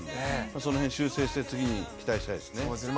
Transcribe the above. その辺、修正して次に期待したいですね。